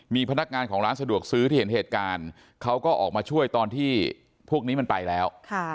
มีพนักงานของร้านสะดวกซื้อที่เห็นเหตุการณ์เขาก็ออกมาช่วยตอนที่พวกนี้มันไปแล้ว